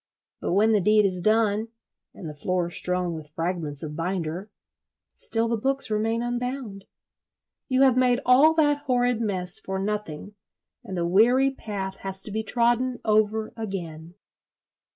But when the deed is done, and the floor strewn with fragments of binder—still the books remain unbound. You have made all that horrid mess for nothing, and the weary path has to be trodden over again.